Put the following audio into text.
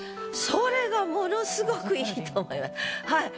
それがものすごくいいと思います。